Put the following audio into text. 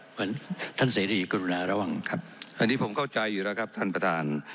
เหมือนท่านเสรีกรุณาระวังครับอันนี้ผมเข้าใจอยู่แล้วครับท่านประธาน